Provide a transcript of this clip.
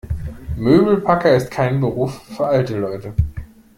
Möbelpacker ist kein Beruf für alte Leute.